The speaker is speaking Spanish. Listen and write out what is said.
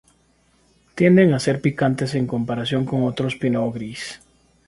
Tienden a ser picantes en comparación con otros pinot gris.